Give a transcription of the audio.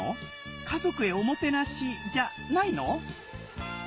家族へおもてなしじゃないの？